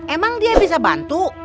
emang dia bisa bantu